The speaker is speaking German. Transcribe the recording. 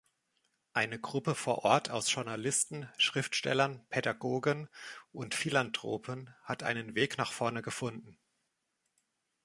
Eine Gruppe vor Ort aus Journalisten, Schriftstellern, Pädagogen und Philanthropen hat einen Weg nach vorne gefunden.